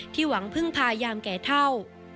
ที่หวังเพิ่งพายามแก่เท่า